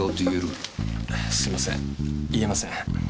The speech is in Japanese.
すいません言えません。